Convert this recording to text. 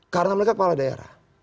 karena mereka kepala daerah